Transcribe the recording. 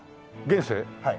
はい。